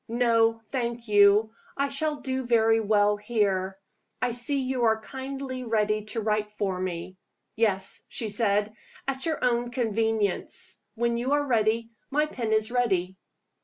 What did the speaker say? "No, thank you. I shall do very well here. I see you are kindly ready to write for me." "Yes," she said, "at your own convenience. When you are ready, my pen is ready."